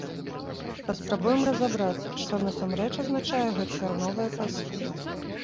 Паспрабуем разабрацца, што насамрэч азначае гэткая новая пазіцыя.